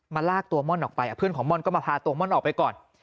ลากตัวม่อนออกไปเพื่อนของม่อนก็มาพาตัวม่อนออกไปก่อน